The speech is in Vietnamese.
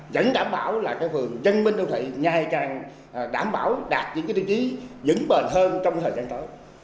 chẳng đảm bảo là phường dân minh đô thị nhanh càng đảm bảo đạt những tư chí dẫn bền hơn trong thời gian tới